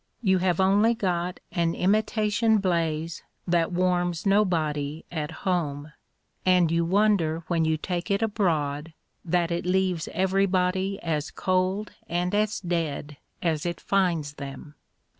You have only got an imitation blaze that warms nobody at home, and you wonder when you take it abroad that it leaves everybody as cold and as dead as it finds them.